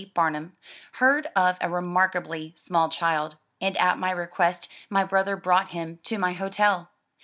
Bamum) heard of a re A markably small child, and at my request, my brother brought him to my hotel.